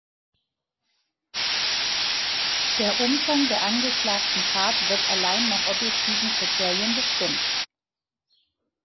Der Umfang der angeklagten Tat wird allein nach objektiven Kriterien bestimmt.